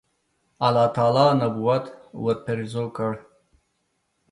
الله تعالی نبوت ورپېرزو کړ.